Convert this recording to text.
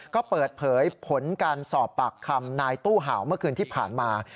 ก็เปิดเผยผลการสอบปากคำนายตู้เห่าเมื่อคืนที่ผ่านมา